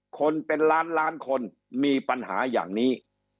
คนเป็นล้านล้านคนมีปัญหาอย่างนี้